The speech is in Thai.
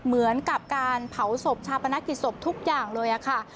เหมือนกับการเผาศพชาปนกิจศพทุกอย่างเลยค่ะ